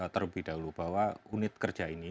terlebih dahulu bahwa unit kerja ini